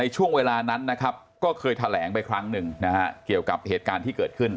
ช่วงเวลานั้นนะครับก็เคยแถลงไปครั้งหนึ่งนะฮะเกี่ยวกับเหตุการณ์ที่เกิดขึ้น